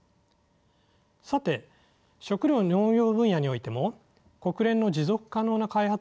さて食料農業分野においても国連の持続可能な開発目標